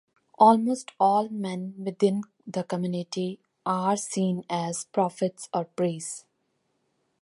Almost all men within the community are seen as prophets or priests.